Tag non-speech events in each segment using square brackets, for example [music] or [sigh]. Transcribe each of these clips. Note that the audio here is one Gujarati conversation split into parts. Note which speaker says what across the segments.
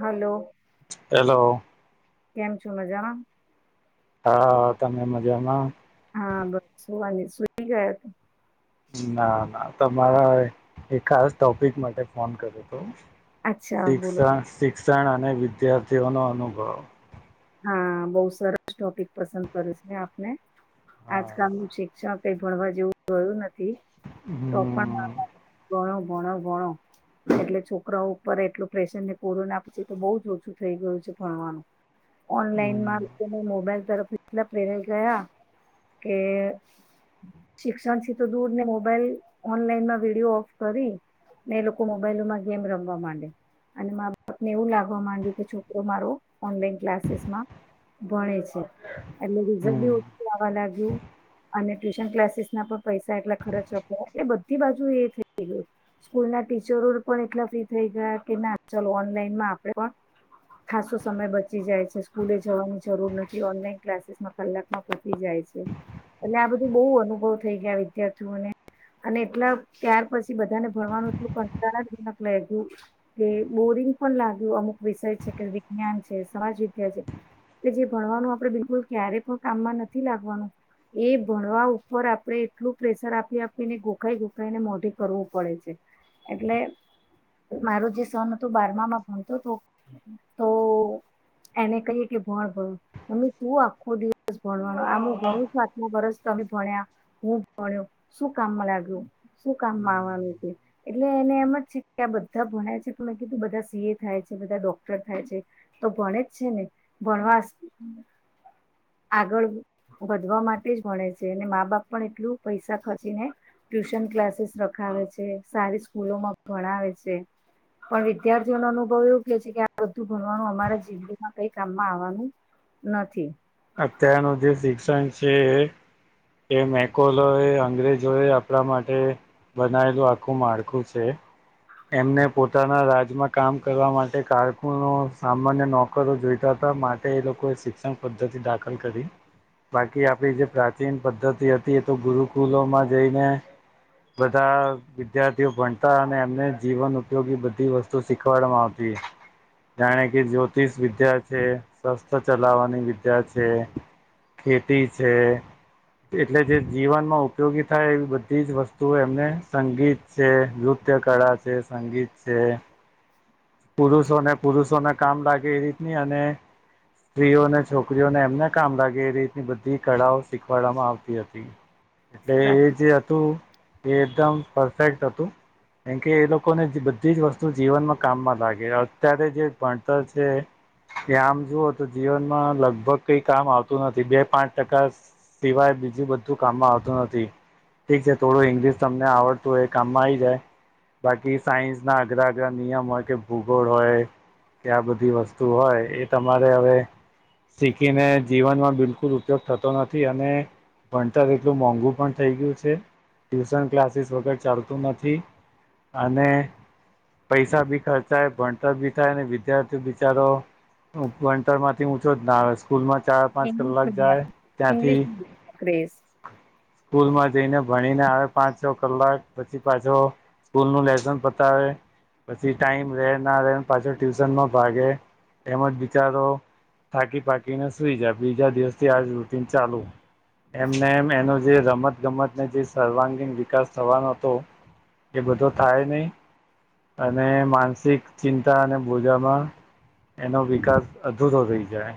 Speaker 1: હાલો
Speaker 2: હેલો
Speaker 1: કેમ છું મજામાં
Speaker 2: હા તમે મજામાં
Speaker 1: હા બસ સુવાની સુઈ ગયા તમે
Speaker 2: ના ના તમારા એક ખાસ ટોપિક માટે ફોન કર્યો હતો
Speaker 1: અચ્છા બોલો
Speaker 2: શિક્ષણ શિક્ષણ અને વિદ્યાર્થીઓનોો અનુભવ
Speaker 1: હા બહુ સરસ ટોપિક પસંદ કરિયો છે આપને
Speaker 2: હા
Speaker 1: આજકાલ નુ શિક્ષક કઈ ભણવા જેવું રહયું નથી તો પણ
Speaker 2: હમ
Speaker 1: બાપ ઘણો ભણો ભણો એટલે છોકરાઓ ઉપર એટલું પ્રેશર ને કોરોના પછી તો બઉુ જ ઓછું થઈ ગયું છે ભણવા નું ઓનલાઈન
Speaker 2: હમ
Speaker 1: માં લોકો મોબાઈલ તરફટલા પ્રેર ગયા કે શિક્ષણ થી તો દૂર ને મોબાઈલ ઓનલાઈનમાં વિડીયો ઓફ કરી ને એ લોકો મોબાઈલોમાં ગેમ રમવા માંડે અને મા બાપ ને એવું લાગવા માંડ્યું કે છોકરો મારો ઓનલાઈન ક્લાસીસ માં ભણે છે એટલે રીઝક
Speaker 2: હમ
Speaker 1: બી ઓછું આવવા લાગ્યું અને ટ્યુશન કલાસીસ ના પણ પૈસા એટલા ખર્ચ આપો એટલે બધા થી બાજુ એ થઈ ગયુ સ્કૂલ ના ટીચરો પણ એટલા ફ્રી થઈ ગયા કે ના ચાલ ઓનલાઈન આપને પણ ખાસો સમય બચ પચી જાય છે સ્કૂલે જવાની જરૂર નથી ઓનલાઈન ક્લાસીસમાં કલાકમાં પતી જાય છે એટલે આ બધું બહુ અનુભવ થઈ ગયા વિદ્યાર્થીઓને અને એટલા ત્યાર પછી બધાને ભણવાનું એટલું કંટારજનક લાગ્યું કે બોરિંગ એવુ પણ લાગ્યું અમુક વિષય છે કે વિજ્ઞાન છે સમાજ વિદ્યા છે કે જે ભણવાનું આપડે બિલકુલ ક્યારેય પણ કામમાં નથી લાગવાનું એ ભણવા ઉપર આપડણે એટલું પ્રેશર આપી આપીને ગોખાઈ ગોખાઈને મોઢે કરવું પડે છે એટલે મારો જે સન હતોું બારમામાં ભણતો હતો તો એને કહીએ કે ભણ ભણો મમ્મી તું આખો દિવસ ભણવાનો આમું ઘણોથમ બર તમે ભણ્યા હું ભણ્યો શું કામમાં લાગ્યું શું કામમાં આવવાનું હત એટલે એને એમ જ છે કે આ બધા ભણાય છે પણ મેં કીધું બધા સીએ થાય છે બધા ડોક્ટર થાય છે તો ભણે જ છે ને ભણવા આગળ વધવા માટે જ ભણે છે અને મા બાપ પણ એટલું પૈસા ખર્ચીને ટ્યુશન ક્લાસીસ રખાય આવે છે સારી સ્કૂલો માં ભણાવે છે પણ વિદ્યાર્થીઓો અનુભવ એવું કે છે કે આ બધું ભણવાનું અરા જીંદગીમાં કઈ કામમાં આવવાનું નથી
Speaker 2: અત્યારનું જે શિક્ષણ છે એ મેકોલય અંગ્રેજો એ આપણા માટે બનાયેલું આખું માળખું છે એમને પોતાના રાજમાં કામ કરવા માટે કારકુનો સામાન્ય નોકરો જોઈતા માટે એ લોકોએ શિક્ષણ પદ્ધતિ દાખલ કરી બાકી આપડી જે પ્રાચીન પદ્ધતિ હતી એ તો ગુરુકુલોમાં જઈને બધા વિદ્યાર્થીઓ ભણતા અને એમને જીવન ઉપયોગી બધી વસ્તુ શીખવાડવામાં આવતી જાણે કે જ્યોતિષ વિદ્યા છે સસ્થ ચલાવાની વિદ્યા છે ખેતી છે એટલે જે જીવનમાં ઉપયોગી થાય એવી બધી જ વસ્તુઓ એમને સંગીત છે નૃત્ય કળા છે સંગીત છે પુરુષોને પુરુષોને કામ લાગે એ રીતની અને સ્ત્રીઓને છોકરીઓને એમને કામ લાગે એ રીતની બધી કળાઓ શીખવાડવામાં આવતી હતી એટલે એ જે હતું એ એકદમ પરફેક્ટ હતું કેમકે એ લોકોને બધી જ વસ્તુ જીવનમાં કામમાં લાગે અત્યારે જે ભણતર છે. આમ જુઓ તો જીવન માં લગભગ કઈ કામ આવતું નથી બે પાંચ ટકા સિવાય બીજું બધું કામમાં આવતું નથી ઠીક છે, થોડું ઇંગ્લિશ તમને આવડતું એ કામમાં આવી જાય બાકી સાયન્સ ના અઘરા અઘરા નિયમ હોય કે ભૂગોળ હોય કે આ બધી વસ્તુ હોય એ તમારે હવે શીખીને જીવનમાં બિલકુલ ઉપયોગ થતો નથી અને ભણતર એટલું મોંઘુ પણ થઈ ગયું છે, ટ્યુશન ક્લાસીસ વગર ચાલતું નથી અને પૈસા ભી ખર્ચ થાય ભણતર બી થાયને વિદ્યાર્થી બિચારો ભણતર માંથી ઊંચો જ ના આવે સ્કૂલ માં ચાર પાંચ કલાક જાય ત્યાંથી
Speaker 1: ઇંગ્લિશ ક્રેઝ
Speaker 2: સ્કૂલ માં જઈને ભણી મહિને આવે પાંચ છ કલાક પછી પાછો સ્કૂલ નું લેસન પતાવે પછી ટાઈમ રે ના રે પાછો ટ્યુશનમાં ભાગે એમજ બિચારો થાકી પાકીને સુઈ જાય બીજા દિવસથી આજ રૂટીન ચાલુ. એમને એમ એનો જે રમત ગમતને જે સર્વાંગીણ વિકાસ થવાનો હતો એ બધો થાય નહી અને માનસ સિક ચિંતા અને બોજામાં એનો વિકાસ અધૂરો રહી જાય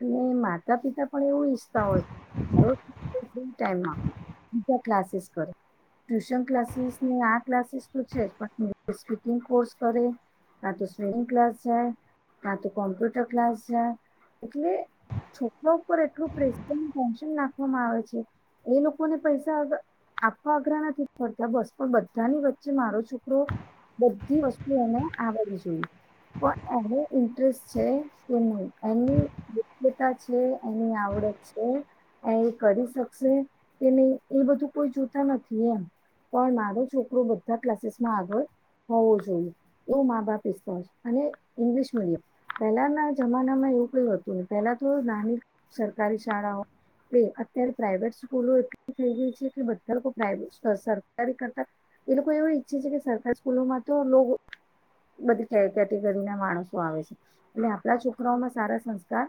Speaker 1: અને માતા પિતા પણ એવું ઈચ્છતા હોય [unintelligible] ટમ ક્લાસીસ કર ટ્યુશન ક્લાસીસ ની આ ક્લાસીસ તો છે જ પણ સ્પીકિંગ કોર્સ કરે ના તો સ્વિમિંગ ક્લાસ જાય ના તો કોમ્પ્યુટર ક્લાસ જાય એટલે છોકરા ઉપર એટલું પ્રસર ટેન્શન નાખવામાં આવે છે એ લોકોને પૈસાગ આપવા અઘ્રા નથી ફરતા બસ પણ બધાની વચ્ચે મારો છોકરો બધી વસ્તુ એને આવડવી જોઈ પણ એનો ઇન્ટરેસ્ટ છે કે નહી એની તા છે એની આવડત છે. એ એ કરી શકશે કે નહી એ બધું કોઈ જોતા નથી એમ. પણ મારો છોકરો બધા ક્લાસીસ માં આગળ હોવું જોઈએ એવું મા બાપ ઈચ્છા હોય છે, અને ઇંગ્લિશ મીડિયમ પહેલાના જમાનામાં [unintelligible] કયું હતુંને પેલા તો નાની સરકારી શાળાઓ. અત્યારે પ્રાઈવેટ સ્કૂલો એટલી થઈ ગય છે કે બધા લોકો પ્રાઇવેટ અ સરકારી કરતા એ લોકો એવું ઈચ્છે છે કે સરકારી સ્કૂલોમાં તો લોકો બધી કેટેગરી ના માણસો આવે છે, એટલે આપણા છોકરાઓમાં સારા સંસ્ કાર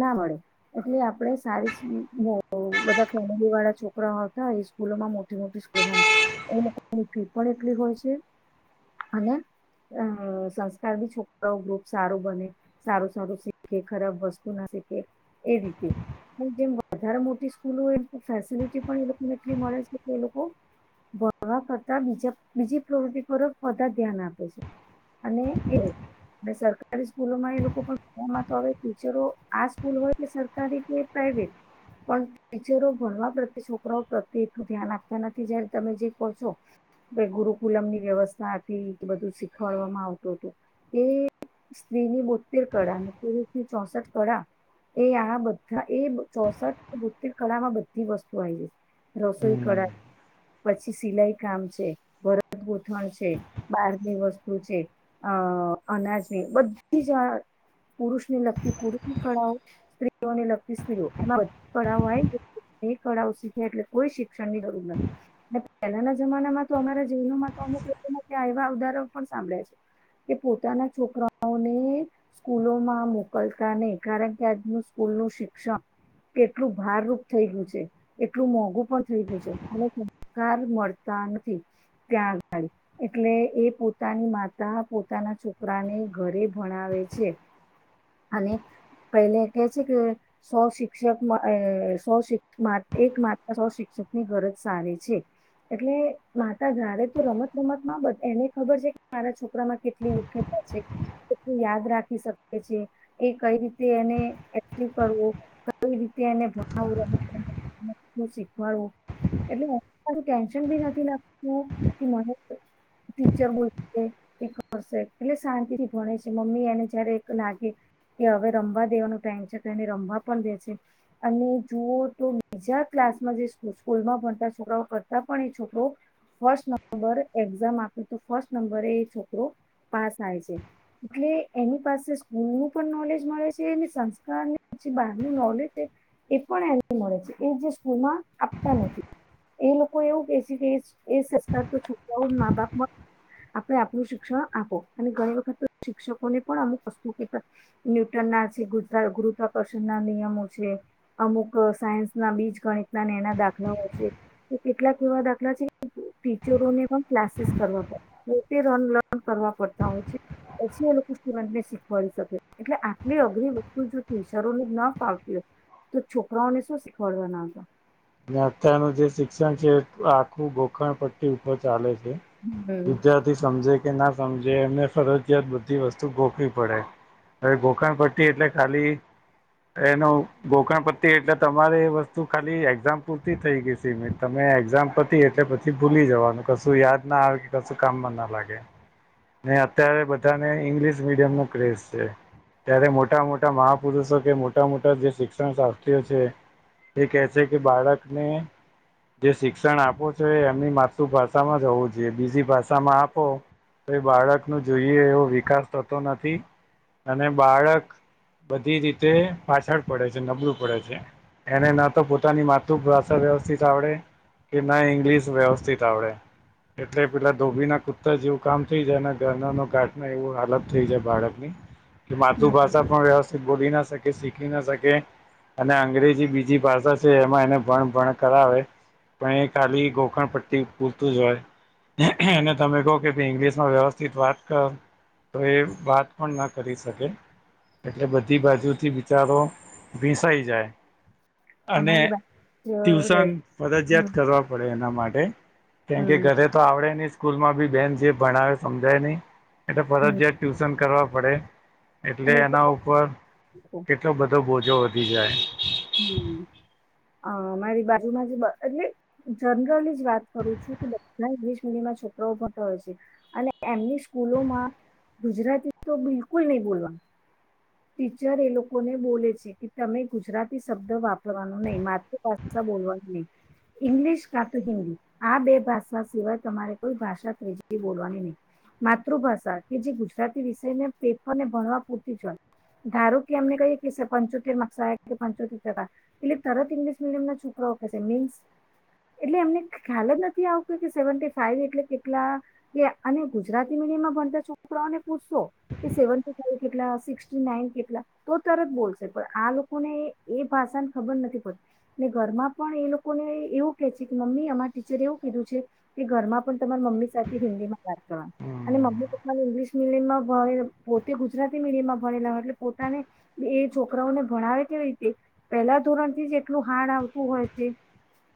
Speaker 1: ના મળે એટલે આપડે સારી [unintelligible] બધા ફેમિલી વાળા છોકરા આવતા એ સ્કૂલોમાં મોટી મોટી સ્કૂલોમાં એની ફી પણ એટલી હોય છે અને અ સંસ્કાર બી છોકરાઓ ગ્રુપ સારું બને સારું સારું શીખે ખરાબ વસ્તુ ના શીખે એ રીતે જેમ વધારે મોટી સ્કૂલો હોય ફેસલટી પણ એ લોકોનેટલી મળે છે કે એ લોકો ભણવા કરતા બીજા બીજી પ્રવૃતિ પર બધા ધ્યાન આપે છે. અને એ સરકારી સ્કૂલોમાં એ લોકો પણ ફમાં તો આવે ટીચરો આ સ્કૂલ હોય કે સરકારી કે પ્રાઈવેટ પણ ટીચરો ભણવા પ્રત્યે છોકરાઓ પ્રત્યે એટલું ધ્યાન આપતા નથી જયારે તમે જે કહો છો‌. ભ ગુરુકુલમ ની વ્યવસ્થા હતી બધું શીખવાડવામાં આવતું હતું એ સ્ત્રી ની બોતેર કળા અને પુરુષ ની ચોસઠ કળા એ આ બધા એ ચોસઠ બોતેર કળામાં બધી વસ્તુ આવી જાય રસોઈ
Speaker 2: હમ
Speaker 1: કડા પછી સિલાઈ કામ છે ભરદ ગોથણ છે બહારની વસ્તુ છે અ અનાજની બધી જ પુરુષ ને લગતી પુરુષ ની કળાઓ સ્ત્રીઓને લગતી સ્ત્રીઓ એ બધી કળાઓ કળાઓ. ી એટલે કોઈ શિક્ષણ જરૂર નથી. પહેલાના જમાનામાં તો અમારા જીવનોમાં તો અમુક લોકોના ત્યાં એવા અવધારા પણ સાંભળ્યા છે એ પોતાના છોકરાઓને સ્કૂલો માં મો મોકલતા નહી કારણ કે આજનું સ્કૂલ નું શિક્ષણ કે એટલું ભારરૂૂપ થઈ ગયું છે એટલું મોંઘું પણ થઈ ગયું છે અને સરકાર મળતા [inaudible] ત્યાંગાડી એટલે એ પોતાની માતા પોતાના છોકરાને ઘરે ભણાવે હો છે.
Speaker 2: [inaudible]
Speaker 1: અને પેલે કે છે કે સો શિક્ષક સો એક માત્ર સો શિક્ષક ક ની ગરજ સારી છે. એટલે માતા જારે તો રમત રમતમાં બ એને ખબર છે મારા છોકરામાં કેટલી યુખ્ય તોટું યાદ રાખી શકીએ છે. એ કઈ રીતે એને એક્ટિવ કરવો કઈ રીતે એને ભણ શીખવાડવું એટલે ટેન્શન બી નથી લાગતુંું મને ટીચર બોલ એ કરશે એટલે શાંતિથી ભણે છે મમ્મી એને જયારે એક લાગે કે હવે રમવા દેવાનો ટાઈમ છે કેને રમવા પણ દે છે અને જુઓ તો બીજા ક્લાસમાં જે સ્કૂલમાં ભણતા છોકરાઓ કરતા પણ એ છોકરો. ફર્સ્ટ નંબર એક્ઝામ આપી તો ફર્સ્ટ નંબરે એ છોકરો. પાસ આવેાય છે એટલે એની પાસે સ્કૂલ નું નોલેજ મળે છે એ સંસ્કારની જે બહાર નું નોલેજ છે એ પણ એને મળે છે એ જે આપતા નથી. એ લોકો એવું કે છે કે એ સંસ્કાર તો છોકરાઓ મા બાપ માં આપણે આપણું શિક્ષણ આપો અને ઘણી વખત શિક્ષકોને પણ અમુક વસ્તુ કે ન્યૂટન ના છે ગુરા ગુરુત્કર્ષણ ના નિયમો છે અમુક સાયન્સ ના બી ગણિતનાને એના દાખલાઓ છે તો કેટલાક એવા દાખલા છે ટીચરોને પણ ક્લાસીસ કરવા પડ પોતે રન લર્ન કરવા પડતા હોય છે પછી એ લોકો સ્ટુડન્ટ ને શીખવાી શકે એટલે આટલી અઘરી વસ્તુ જોતી શરૂને ન ફાવતી હો તો છોકરાઓને શું શીખવાડવાના છે
Speaker 2: અત્યારનું જે શિક્ષણ છે આખું ગોખણ પટ્ટી ચાલે છે
Speaker 1: હમ
Speaker 2: વિદ્યાર્થી સમજે કે ના સમજે એમને ફરજયાત બધી વસ્તુ ગોખવી પડે હવે ગોકણ પટ્ટી એટલે ખાલી એનું ગોકણપતિ એટલે તમારે એ વસ્તુ ખાલી એક્ઝામ પૂરતી થઈ ગઈ સી મે તમે એક્ઝામ પતી એટલે પછી ભૂલી જવાનું કશું યાદ ના આવે કે કશું ના અત્યારે બધાને ઇંગ્લશ મીડિયમ ન ક્રેઝ છે ત્યારે મોટા મોટા મહાપુરુષો કે મોટા મોટા જે શિક્ષણ શાસ્ત્રીઓ છે એક એસે કે બાળકને જે શિક્ષણ આપો છો એમની માતૃભાષામાં જ હોવું જોઈએ બીજી ભાષામાં આપો તો બાળક ન જોઈએ એવો વિકાસ થતો નથી અને બાળક બધી રીતે પાછળ પડે છે નબળું પડે છે એને ના તો પો પોતાની માતૃભાષા વ્યવસ્થિત આવડે કે ના ઇંગ્લિશ વ્યવસ્થિત આવડે એટલે પેલા ધોબી ના કુતા જેવું કામ થઈ જાય અને ગરના ન ઘાટ ન એવું હાલત થઈ જાય બાળક ની હ [inaudible] કે
Speaker 1: હમ
Speaker 2: માતૃભાષા પણ વ્યવસ્થિત બોલી ના શકે શીખી ના શકે અને અંગ્રેજી બીજી ભાષા એમાં એને ભણ ભણ કરાવે પણ એ ખાલી ગોખણ પટ્ટી પૂલતું જ હોય અને તમે કહો કે ભે ઇંગ્લિશમાં વ્યવસ્થિત વાત ક તો એ વાત પણ ના કરી શકે એટલે બધી બાજુથી બિચારો ભીસાઈ જાય અને
Speaker 1: અમારી બા જ રે
Speaker 2: ટ્યુશન
Speaker 1: હમ
Speaker 2: ફરજિયાત કરવા પડે એના માટે કેમ કે
Speaker 1: હમ
Speaker 2: ઘરે તો આવડે ની સ્કૂલ માં બી બેન જે ભણાવે સમજાય નહી એટલે
Speaker 1: હમ
Speaker 2: ફરજયાત ટ્યુશન કરવા પડે એટલે એના ઉપર કેટલો બધો બોજો વધી જાય
Speaker 1: હમ. અ મારી બાજુમાં જે એટલે જનરલી જ વાત કરું છું કે બધા ઇંગ્લિશ મીડિયમ છોકરાઓ ભણતા હોય છે, અને એમની સ્કૂલોમાં ગુજરાતીતો બિલકુલ નહી બોલવા ટીચર એ લોકોને બોલે છે, કે તમે ગુજરાત શબ્દ વાપરવાનું નહી માતૃભાષા બોલવાની નહી ઈંગ્લિશ કા તો હિન્દી આ બે ભાષા સિવાય તમારે કોઈ ભાષા ત્રીજી બોલવાની ની માતૃભાષા કે જે ગુજરાતી વિષયને પેપર ને ભણવા પૂરતી જ હોય ધારો કે એમને કહી કે સરપંચો કે નકસાય પાંચોટેર ટકા એટલે તરત ઇંગ્લિશ મીડિયમના છોકરાઓ કેશે મીન્સ એટલે એમને ખ્યાલ જ નથી આવત કે સેવીનટી ફાઈવ એટલે કેટલા કે અને ગુજરાતી મી ડયમમા ભણતા છોકરાઓને પૂછશો કે સેવેનટી ફાઈ કેટલા સીકસટી નાઈન કેટલા તો તરત બો લસે પણ આ લોકોને એ ભાષાને ખબર નથી પડતી ને ઘરમાં પણ એ લોકોને એવું કે છે, કે મમ્મી અમાર ટીચર એવું કીધું છે, કે ઘરમાં પણ તમારે મમ્મી સાથે હિન્દીમાં વાત કરવા
Speaker 2: હમ
Speaker 1: અને મમ્મી તમા ઇંગ્શ મીલીમમા [unintelligible] પોતે ગુજરાતી મીડિયમમાં ભણેલા હોય એટલે પોતાને એ છોકરાઓને ભણાવે કેવી રી તે પેલા ધોરણથી જ એટલું હાર્ડ આવતું હોય છે.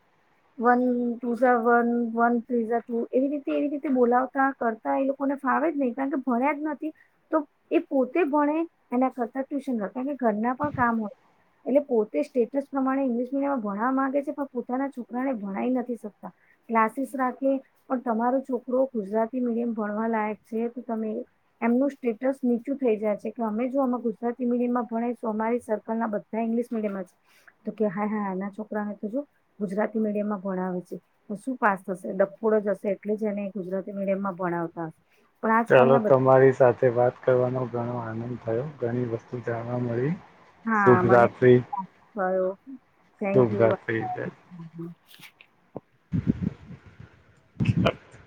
Speaker 2: હ [inaudible]
Speaker 1: વન ટુ ઝ વન વન થ્રી ઝ ટુ એવી રીતે એવી રીતે બોલાવતા કરતા એ લોકોને ફા વે જ નય કારણ કે ભણ્યા જ નથી તો એ પોતે ભણે એના કરતા ટ્યુશન ર કે ઘરના પણ કામ હોય એટલે પોતે સ્ટેટસ પ્રમાણે ઇંગ્લિશ મીડયમમાં ભણવા માંગે છે, પણ પોતાના છોકરાને ભણાય નથી શકતા ક્લાસીસ રાખે પણ તમારો છોકરો ગુજરાતી મીડિયમ ભણવા લાયક છે, તો તમે એમનું સ્ટેટસ નીચું થઈ જાય છે, કે અમે જો અ ગુજરાતી મીડિયમાં ભણે સોમારી સર્કલના બ ધા ઇંગ્લિશ મીડિયમમાં છે, તો કે હાય હાય એના છોકરાને તો જો ગુજરાતી મીડિયમમાં ભણાવે છે. તો શું પાસ થશે ડફોડો જ હશે એટલે જ એને ગુજરાતી મીડિયમમાં ભણાવતા હશે પણ
Speaker 2: ચાલો
Speaker 1: આજકાલના બધા
Speaker 2: તમારી સાથે વાત કરવાનો ઘણો આનંદ થયો ઘણી વસ્તુ જાણવા મળી
Speaker 1: હા
Speaker 2: શુભ
Speaker 1: મને
Speaker 2: રાત્રિ
Speaker 1: [unintelligible] થેન્ક
Speaker 2: શુભ
Speaker 1: યુ
Speaker 2: રાત્રિ જય